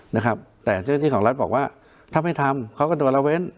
นะครับแต่เจ้าหน้าที่ของรัฐบอกว่าถ้าไม่ทำเขาก็โดนละเว้น